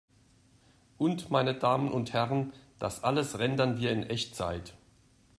Und, meine Damen und Herren, das alles rendern wir in Echtzeit!